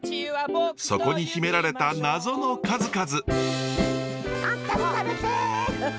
そこに秘められた謎の数々。